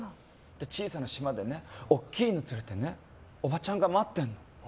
小さな島で大きい犬連れておばちゃんが待ってるの。